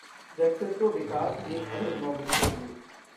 व्यक्तित्व विकास एक अदद नौकरी के लिए